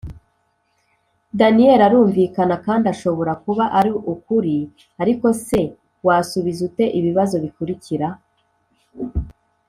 Daniel arumvikana kandi ashobora kuba ari ukuri ariko se wasubiza ute ibibazo bikurikira